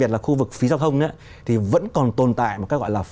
trăm phần trăm